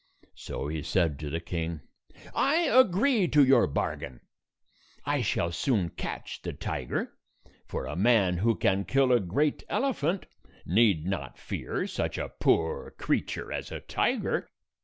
So he said to the king, "I agree to your bargain. I shall soon catch the tiger, for a man who can kill a great elephant need not fear such a poor creature as a tiger."